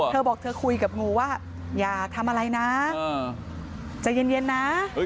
เธอบอกเธอคุยกับงูว่าอย่าทำอะไรนะใจเย็นนะ